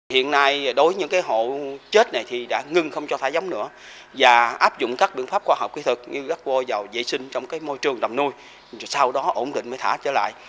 hiện nay đối với những hộ chết này thì đã ngưng không cho thả giống nữa và áp dụng các biện pháp khoa học kỹ thuật như gắt cua vào dễ sinh trong môi trường đầm nuôi sau đó ổn định mới thả trở lại